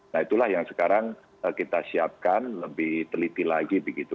nah itulah yang sekarang kita siapkan lebih teliti lagi begitu